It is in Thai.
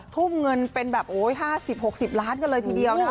ทุ่มเงินเป็นแบบโอ้ยห้าสิบหกสิบล้านกันเลยทีเดียวนะคะ